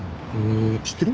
知ってる？